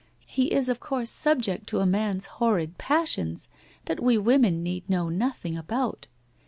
He is of course subject to a man's horrid passions that we women need know nothing about.